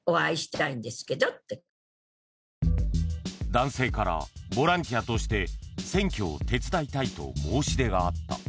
男性からボランティアとして選挙を手伝いたいと申し出があった。